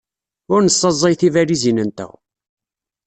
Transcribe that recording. Ur nessaẓay tibalizin-nteɣ.